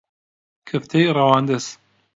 کفتەی ڕەواندز